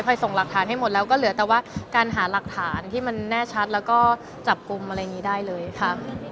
ส่งหลักฐานให้หมดแล้วก็เหลือแต่ว่าการหาหลักฐานที่มันแน่ชัดแล้วก็จับกลุ่มอะไรอย่างนี้ได้เลยค่ะ